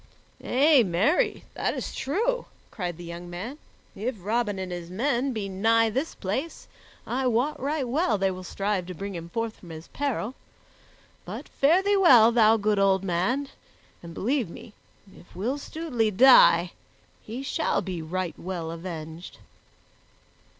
"Ay, marry, that is true," cried the young man. "If Robin and his men be nigh this place, I wot right well they will strive to bring him forth from his peril. But fare thee well, thou good old man, and believe me, if Will Stutely die, he shall be right well avenged."